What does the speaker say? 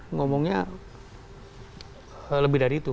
ngomongnya lebih dari itu